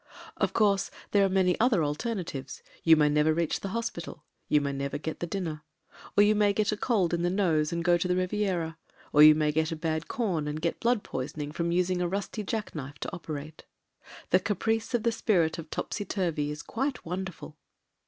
Of course there are many other al ternatives : you may never reach the hospital — ^you may never get the dinner ; you may get a cold in the nose, and go to the Riviera — or you may get a bad com and get blood poisoning from using a rusty jack knife to operate. The caprice of the spirit of Topsy Turvy is quite wonderful.